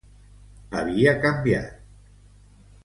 Havia canviat.